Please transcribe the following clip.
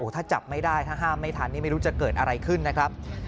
ถ้าจับไม่ได้ถ้าห้ามไม่ทันนี่ไม่รู้จะเกิดอะไรขึ้นนะครับ